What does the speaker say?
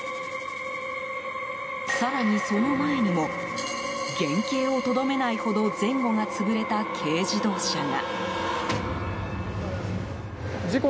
更に、その前にも原形をとどめないほど前後が潰れた軽自動車が。